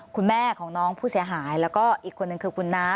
คุณแม่ของน้องผู้เสียหายแล้วก็อีกคนนึงคือคุณน้า